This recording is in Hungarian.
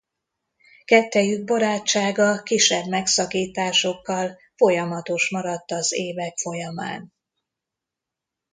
Kettejük barátsága kisebb megszakításokkal folyamatos maradt az évek folyamán.